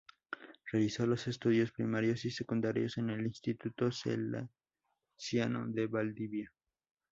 Realizó los estudios primarios y secundarios en el Instituto Salesiano de Valdivia.